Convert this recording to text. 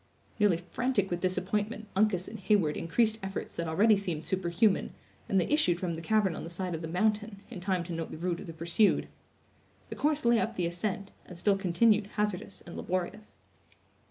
Nearly frantic with disappointment, Uncas and Heyward increased efforts that already seemed superhuman, and they issued from the cavern on the side of the mountain, in time to note the route of the pursued. The course lay up the ascent, and still continued hazardous and laborious.